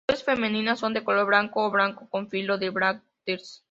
Las flores femeninas son de color blanco o blanco con filo de brácteas.